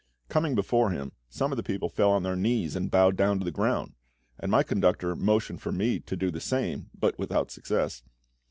Coming before him, some of the people fell on their knees and bowed down to the ground, and my conductor motioned for me to do the same, but without success.